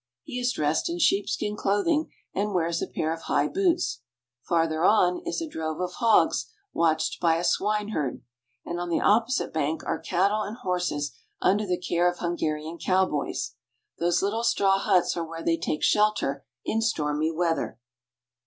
He is dressed in sheep skin clothing, and wears a pair of high boots. Farther on is a drove of hogs watched by a swineherd, and on the opposite bank are cattle and horses under the care of He is dressed in sheepskin clothing." ON THE LOWER DANUBE. 305 Hungarian cowboys. Those little straw huts are where they take shelter in stormy weather.